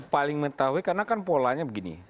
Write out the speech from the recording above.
paling mengetahui karena kan polanya begini